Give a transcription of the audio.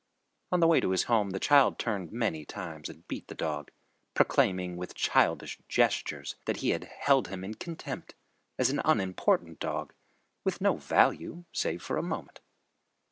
On the way to his home the child turned many times and beat the dog, proclaiming with childish gestures that he held him in contempt as an unimportant dog, with no value save for a moment.